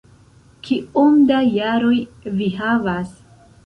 Kiom da jaroj vi havas?